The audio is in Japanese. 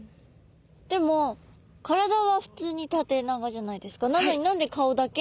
でも体は普通に縦長じゃないですか。